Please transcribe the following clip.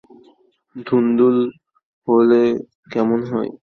ধুন্দুল হলে কেমন হয়?